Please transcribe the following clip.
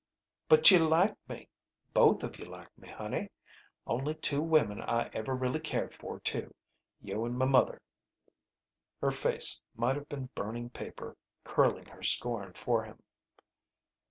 "But you liked me. Both of you liked me, honey. Only two women I ever really cared for, too. You and m' mother." Her face might have been burning paper, curling her scorn for him.